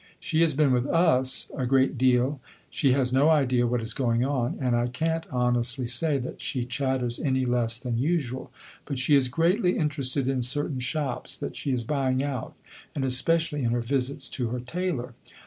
She has been with us a great deal she has no idea what is going on and I can't honestly say that she chatters any less than usual. But she is greatly interested in certain shops that she is buying out, and especially in her visits to her tailor.